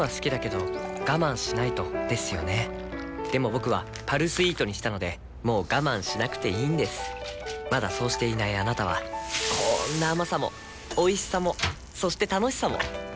僕は「パルスイート」にしたのでもう我慢しなくていいんですまだそうしていないあなたはこんな甘さもおいしさもそして楽しさもあちっ。